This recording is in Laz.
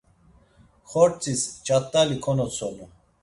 Xortzis ç̌at̆ali konotsonu.